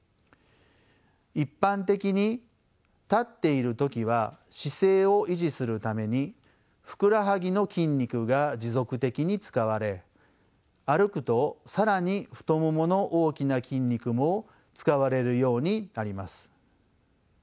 一般的に立っている時は姿勢を維持するためにふくらはぎの筋肉が持続的に使われ歩くと更に太ももの大きな筋肉も使われるようになります。